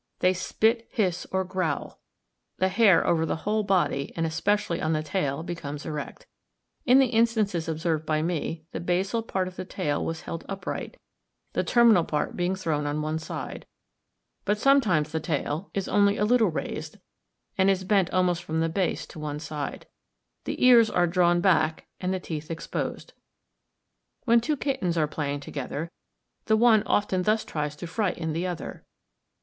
They spit, hiss, or growl. The hair over the whole body, and especially on the tail, becomes erect. In the instances observed by me the basal part of the tail was held upright, the terminal part being thrown on one side; but sometimes the tail (see fig. 15) is only a little raised, and is bent almost from the base to one side. The ears are drawn back, and the teeth exposed. When two kittens are playing together, the one often thus tries to frighten the other.